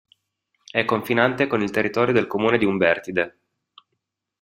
È confinante con il territorio del comune di Umbertide.